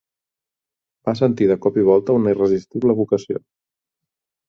Va sentir de cop i volta una irresistible vocació